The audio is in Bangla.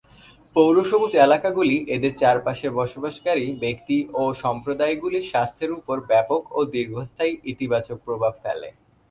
পৌর সবুজ এলাকাগুলি এদের চারপাশে বসবাসকারী ব্যক্তি ও সম্প্রদায়গুলির স্বাস্থ্যের উপর ব্যাপক ও দীর্ঘস্থায়ী ইতিবাচক প্রভাব ফেলে।